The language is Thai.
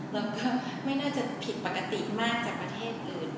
แล้วก็ไม่น่าจะผิดปกติมากจากประเทศอื่น